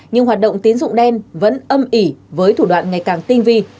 nhưng hoạt động tín dụng đen vẫn âm ỉ với thủ đoạn ngày càng tinh vi